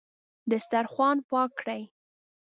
دسترخوان پاک کړئ